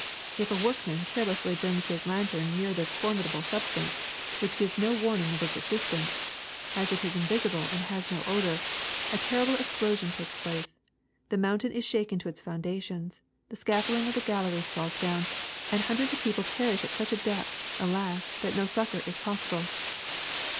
If a workman carelessly brings his lantern near this formidable substance — which gives no warning of its existence, as it is invisible and has no odor — a terrible explosion takes place, the mountain is shaken to its foundations, the scaf folding of the galleries falls down, and hundreds of people perish at such a depth, alas, that no succor is possible.